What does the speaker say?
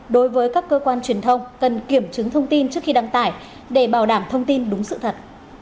đối với các cơ quan truyền thông cần kiểm chứng thông tin trước khi đăng tải để bảo đảm thông tin đúng sự thật